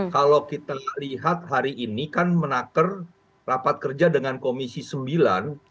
kalau kita lihat hari ini kan menaker rapat kerja dengan komisi sembilan